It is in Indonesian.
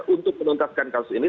untuk menuntaskan kasus ini